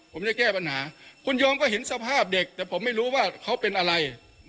ผมจะแก้ปัญหาคุณยอมก็เห็นสภาพเด็กแต่ผมไม่รู้ว่าเขาเป็นอะไร